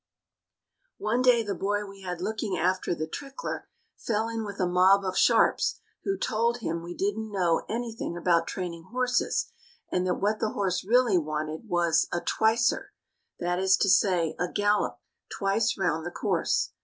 One day the boy we had looking after The Trickler fell in with a mob of sharps who told him we didn't know anything about training horses, and that what the horse really wanted was "a twicer" that is to say, a gallop twice round the course.